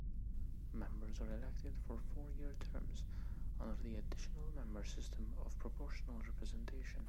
Members are elected for four-year terms under the Additional Member System of proportional representation.